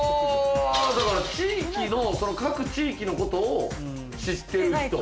だから各地域のことを知ってる人。